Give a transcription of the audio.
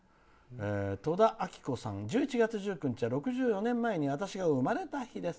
とだあきこさん「１１月１９日は６２年前に私が生まれた日です」。